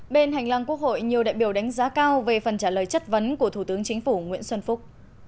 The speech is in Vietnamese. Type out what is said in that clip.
bên hành lang quốc hội nhiều đại biểu đánh giá cao về phần trả lời chất vấn của thủ tướng chính phủ nguyễn xuân phúc